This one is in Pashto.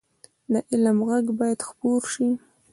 د علم غږ باید خپور شي